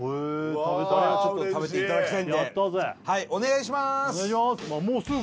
食べたいちょっと食べていただきたいんでお願いしまー